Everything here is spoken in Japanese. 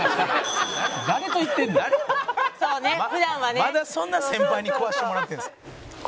まだそんな先輩に食わせてもらってるんですか？